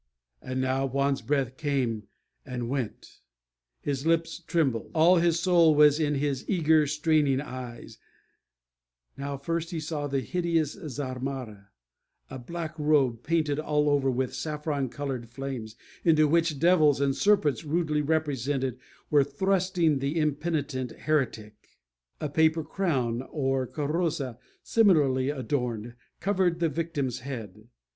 And now Juan's breath came and went his lips trembled; all his soul was in his eager, straining eyes Now first he saw the hideous zamarra a black robe, painted all over with saffron coloured flames, into which devils and serpents, rudely represented, were thrusting the impenitent heretic. A paper crown, or carroza, similarly adorned, covered the victim's head.